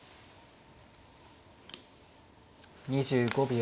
２５秒。